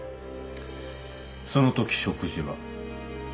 そのとき食事は？